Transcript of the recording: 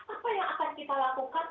apa yang akan kita lakukan